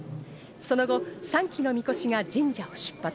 その後３基のみこしが神社を出発。